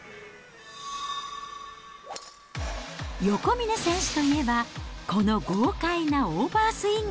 横峯選手といえば、この豪快なオーバースイング。